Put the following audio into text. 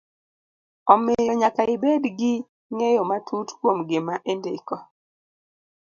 Omiyo, nyaka ibed gi ng'eyo matut kuom gima idndiko.